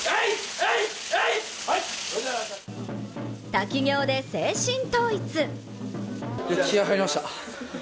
滝行で精神統一。